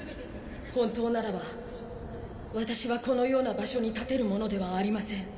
本当ならばワタシはこのような場所に立てる者ではありません。